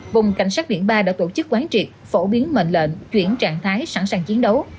vùng cảnh sát biển ba đã tổ chức quán triệt phổ biến mệnh lệnh chuyển trạng thái sẵn sàng chiến đấu